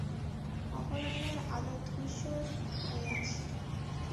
অপরাহ্বের আলো ধূসর হয়ে আসে।